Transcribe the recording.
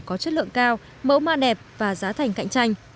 có chất lượng cao mẫu ma đẹp và giá thành cạnh tranh